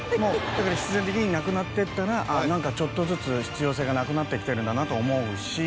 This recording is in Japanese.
だから必然的になくなってったら何かちょっとずつ必要性がなくなってきてるんだなと思うし。